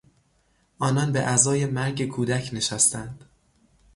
آنان به عزای مرگ کودک نشستند.